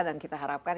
dan kita harapkan